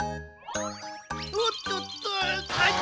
おっとっとあた！